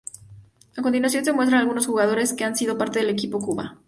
A continuación se muestran algunos jugadores que han sido parte del equipo Cuba.